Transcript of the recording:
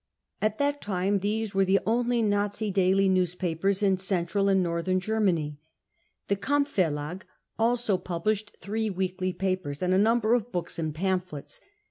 At that time these were the only Nazi daily newspapers in Central and North Germany. The Kampf Verlag also published three weekly papers and a number of books and pamphlets.